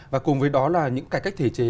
và cùng với đó là những cải cách thể chế